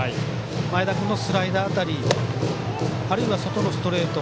前田君のスライダー辺りあるいは外のストレート。